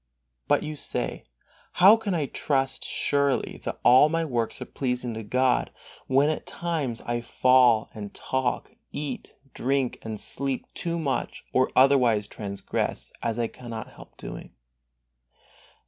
But you say: How can I trust surely that all my works are pleasing to God, when at times I fall, and talk, eat, drink and sleep too much, or otherwise transgress, as I cannot help doing?